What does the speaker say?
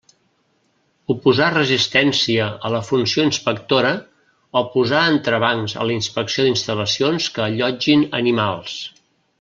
Oposar resistència a la funció inspectora o posar entrebancs a la inspecció d'instal·lacions que allotgin animals.